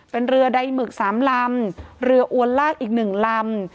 เป็นเรือใดหมึก๓ลำเรืออวนลากอีก๑ลำ